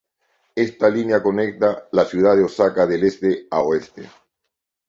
Este línea conecta la ciudad de Osaka del este a oeste.